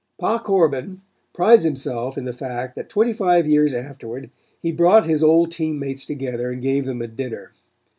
Pa Corbin prides himself in the fact that twenty five years afterward he brought his old team mates together and gave them a dinner.